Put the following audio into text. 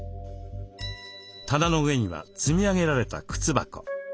棚の上には積み上げられた靴箱。